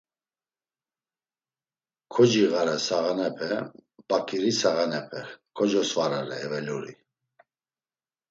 Kociğare sağanepe; baǩiri sağanepe kocosvarare, eveluri.